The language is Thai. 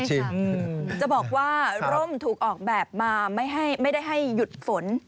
จะบอกว่าร่มถูกออกแบบมาไม่ได้ให้หยุดฝน